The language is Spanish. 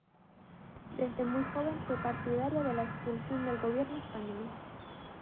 Desde muy joven fue partidaria de la expulsión del gobierno español.